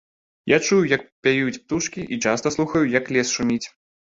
Я чую, як пяюць птушкі, і часта слухаю, як лес шуміць.